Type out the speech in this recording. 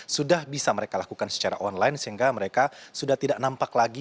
sudah bisa mereka lakukan secara online sehingga mereka sudah tidak nampak lagi